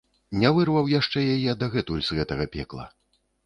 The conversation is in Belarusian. Не вырваў яшчэ яе дагэтуль з гэтага пекла.